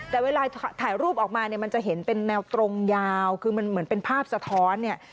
แต่เวลาถ่ายรูปออกมาเนี่ยมันจะเห็นเป็นแนวตรงยาวคือมันเหมือนเป็นภาพสะท้อนเนี่ย